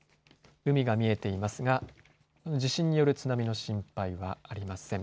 海が見えていますが地震による津波の心配はありません。